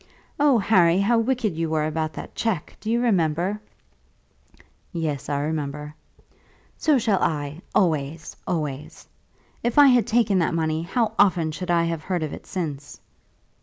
Oh, Harry, how wicked you were about that cheque! Do you remember?" "Yes; I remember." "So shall I; always, always. If I had taken that money how often should I have heard of it since?"